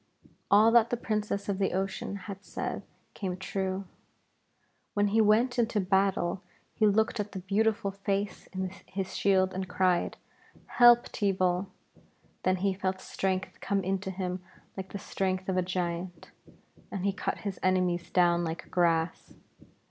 All that the Princess of the Ocean had said came true. When he went into battle he looked at the beautiful face in his shield and cried 'Help, Teeval.' Then he felt strength come into him like the strength of a giant, and he cut his enemies down like grass.